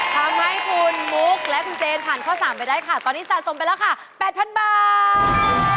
ทำให้คุณมุกและคุณเจนผ่านข้อ๓ไปได้ค่ะตอนนี้สะสมไปแล้วค่ะ๘๐๐๐บาท